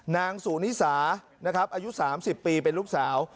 นางสูนิสาอายุ๓๐ปีเป็นลูกสาว